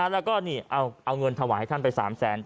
แล้วก็นี่เอาเงินถวายให้ท่านไป๓แสน